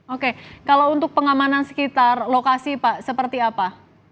oke kalau untuk pengamanan sekitar lokasi pak seperti apa